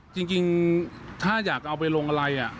จริงถ้าอยากเอาไปลงอะไร